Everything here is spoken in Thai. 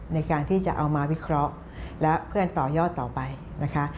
ในการที่จะเอามาวิเคราะห์และเพื่อนต่อยอดต่อไปนะคะ